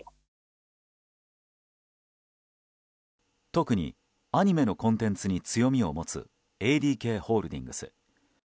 特に、アニメのコンテンツに強みを持つＡＤＫホールディングス。